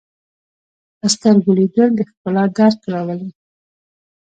په سترګو لیدل د ښکلا درک راولي